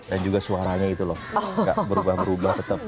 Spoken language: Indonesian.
dan juga suaranya itu loh gak berubah berubah tetep